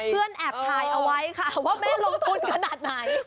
แอบถ่ายเอาไว้ค่ะว่าแม่ลงทุนขนาดไหน